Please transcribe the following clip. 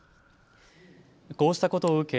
こうしたことを受け